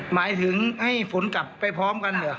หมายถึงให้ฝนกลับไปพร้อมกันเหรอ